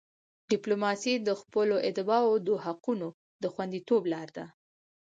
ډیپلوماسي د خپلو اتباعو د حقوقو د خوندیتوب لار ده.